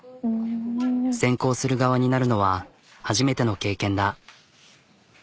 選考する側になるのは初めての経験だ。